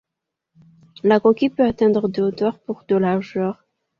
La coquille peut atteindre de hauteur pour de largeur.